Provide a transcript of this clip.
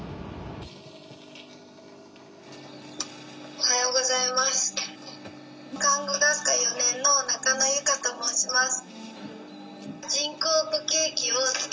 「おはようございます」。